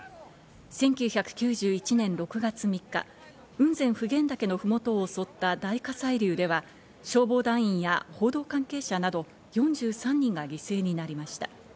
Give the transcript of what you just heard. １９９１年６月３日、雲仙普賢岳の麓を襲った大火砕流では、消防団や報道関係者など４３人が犠牲になりました。